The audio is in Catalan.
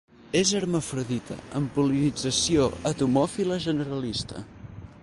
És hermafrodita, amb pol·linització entomòfila generalista.